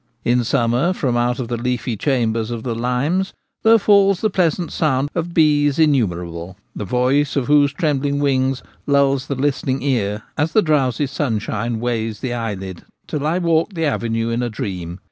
In summer from out the leafy chambers of the limes there falls the pleasant sound of bees innumer able, the voice of whose trembling wings lulls the listening ear as the drowsy sunshine weighs the eye lid till I walk the avenue in a dream.